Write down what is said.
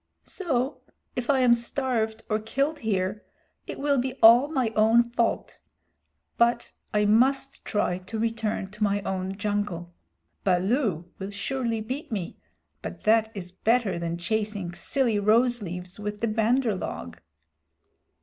So if I am starved or killed here, it will be all my own fault. But I must try to return to my own jungle. Baloo will surely beat me, but that is better than chasing silly rose leaves with the Bandar log."